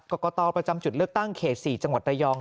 กรกตประจำจุดเลือกตั้งเขต๔จังหวัดระยอง